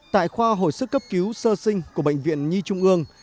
tại khoa hồi sức cấp cứu sơ sinh của bệnh viện nhi trung ương